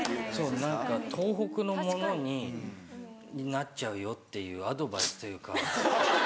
・何か東北のものになっちゃうよっていうアドバイスというか。